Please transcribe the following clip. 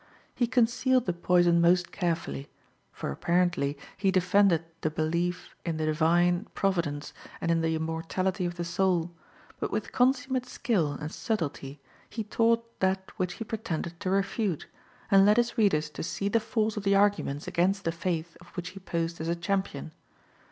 He concealed the poison most carefully; for apparently he defended the belief in the Divine Providence and in the immortality of the soul, but with consummate skill and subtilty he taught that which he pretended to refute, and led his readers to see the force of the arguments against the Faith of which he posed as a champion.